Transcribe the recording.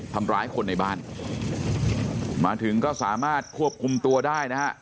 ทำร้ายคนในบ้านมาถึงก็สามารถควบคุมตัวได้นะฮะ